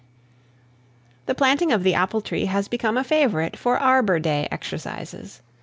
"The Planting of the Apple Tree" has become a favourite for "Arbour Day" exercises.